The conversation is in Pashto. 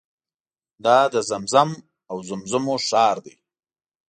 دا د زمزم او زمزمو ښار دی.